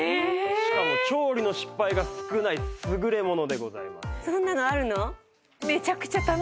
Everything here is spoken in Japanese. しかも調理の失敗が少ない優れものでございます。